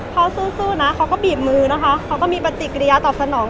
พอสู้นะเขาก็บีบมือนะคะเขาก็มีปฏิกิริยาตอบสนอง